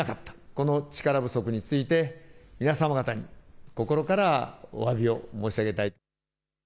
この力不足について、皆様方に心からおわびを申し上げたいと。